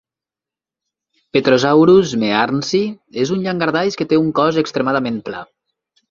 "Petrosaurus mearnsi" és un llangardaix que té un cos extremadament pla.